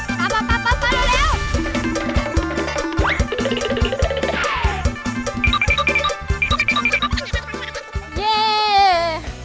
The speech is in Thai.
เย้